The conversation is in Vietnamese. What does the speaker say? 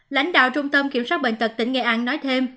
lãnh đạo trung tâm kiểm soát bệnh tật tỉnh nghệ an nói thêm